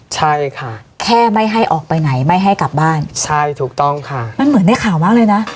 ใช่ค่ะแค่ไม่ให้ออกไปไหนไม่ให้กลับบ้านใช่ถูกต้องค่ะมันเหมือนได้ข่าวมากเลยนะ